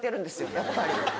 やっぱり。